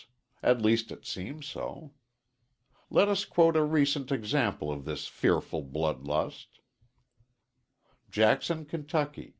At least, it seems so. Let us quote a recent example of this fearful blood lust: Jackson, Ky.